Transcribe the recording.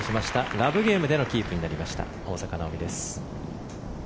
ラブゲームでのキープとなりました大坂なおみです。